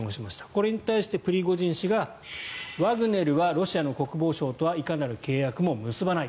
これに対してプリゴジン氏がワグネルはロシアの国防省とはいかなる契約も結ばない。